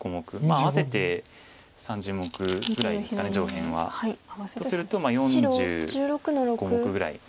合わせて３０目ぐらいですか上辺は。とすると４５目ぐらいの。